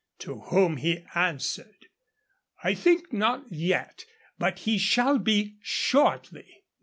To whom he answered, 'I think not yet, but he shall be shortly.'